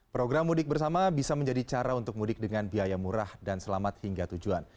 program mudik bersama bisa menjadi cara untuk mudik dengan biaya murah dan selamat hingga tujuan